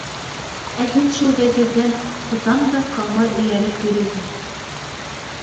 Ә һин шул Вәзирҙән тотам да ҡалмай эйәреп йөрөйһөң.